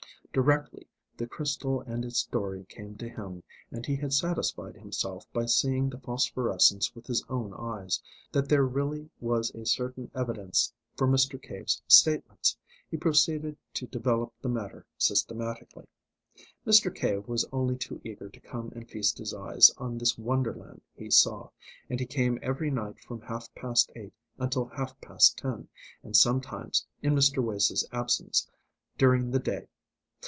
Directly the crystal and its story came to him, and he had satisfied himself, by seeing the phosphorescence with his own eyes, that there really was a certain evidence for Mr. Cave's statements, he proceeded to develop the matter systematically. Mr. Cave was only too eager to come and feast his eyes on this wonderland he saw, and he came every night from half past eight until half past ten, and sometimes, in Mr. Wace's absence, during the day.